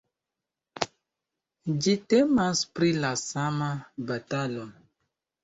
Ĝi temas pri la sama batalo.